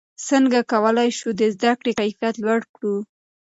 څنګه کولای شو د زده کړې کیفیت لوړ کړو؟